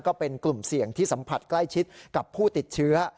ก็เป็นกลุ่มเสี่ยงที่สัมผัสใกล้ชิดกับผู้ติดเชื้อ